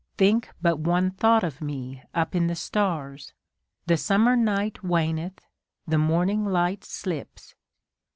Think but one thought of me up in the stars. The summer night waneth, the morning light slips.